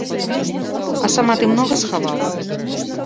А сама ты многа схавала?